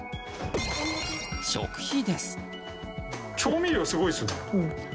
食費です。